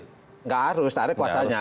tidak harus ada kuasanya